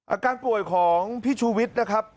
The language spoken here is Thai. อาการป่วยของพี่ชูวิทย์นะครับ